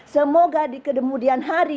semoga di kedemudian hari